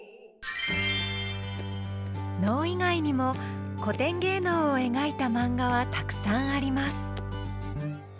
能以外にも古典芸能を描いたマンガはたくさんあります